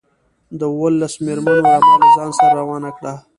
د اوولس مېرمنو رمه له ځان سره روانه کړه.